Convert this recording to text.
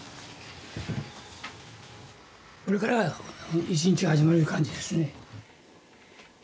これから１日が始まる感じですね。